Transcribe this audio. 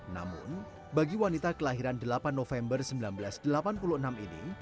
namun bagi wanita kelahiran delapan november seribu sembilan ratus delapan puluh enam ini